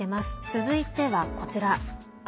続いてはこちら。